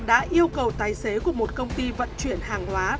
đã yêu cầu tài xế của một công ty vận chuyển hàng hóa